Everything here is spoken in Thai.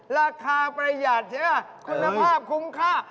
ประหยัดใช่ไหมคุณภาพคุ้มค่า